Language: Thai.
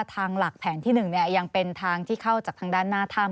ทางหลักแผนที่๑ยังเป็นทางที่เข้าจากทางด้านหน้าถ้ำ